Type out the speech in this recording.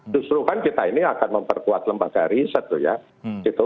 justru kan kita ini akan memperkuat lembaga riset